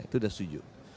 itu udah setuju